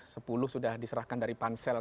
sepuluh sudah diserahkan dari pansel